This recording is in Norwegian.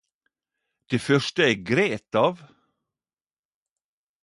Det fyrste eg gret av?